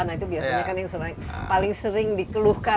nah itu biasanya kan yang paling sering dikeluhkan